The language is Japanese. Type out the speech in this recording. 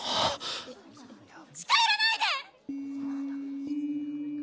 近寄らないでっ！